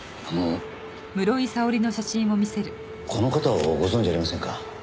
あのこの方をご存じありませんか？